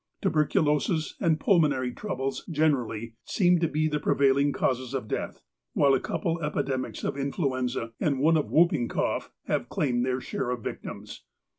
Tuberculosis, aud pulmonary troubles generally, seem to be the pre vailing causes of death, while a couple of epidemics of influenza, and one of whooping cough, have claimed their share of victims.